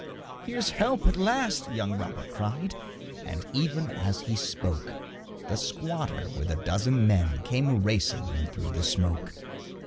'Here's help at last,' young Robert cried, And even as he spoke The squatter with a dozen men Came racing through the smoke.